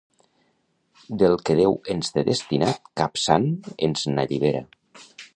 Del que Déu ens té destinat, cap sant ens n'allibera.